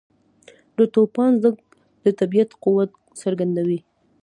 • د توپان ږغ د طبیعت قوت څرګندوي.